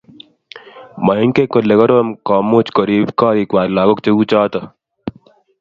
Moingen kole korom komuch Korib gorikwai lagok cheuchoto